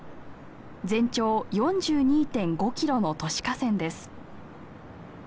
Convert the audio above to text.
全長４２．５キロの都市河川です。